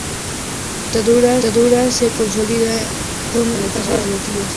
La dictadura se consolidaba con el paso de los días.